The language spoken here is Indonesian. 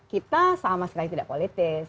kita sama sekali tidak politis